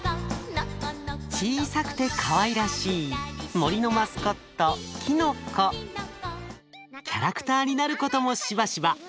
小さくてかわいらしい森のマスコットキャラクターになることもしばしば。